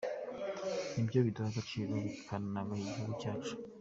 Ni byo biduha agaciro bikanagaha igihugu cyacu.